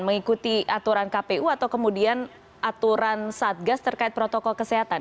mengikuti aturan kpu atau kemudian aturan satgas terkait protokol kesehatan